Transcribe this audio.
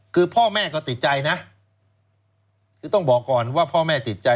คือพ่อแม่ก็ติดใจนะคือต้องบอกก่อนว่าพ่อแม่ติดใจ